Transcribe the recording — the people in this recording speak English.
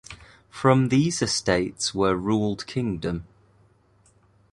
From these estates were ruled kingdom.